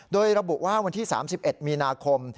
โดยระบุว่าวันที่๓๑มีนาคม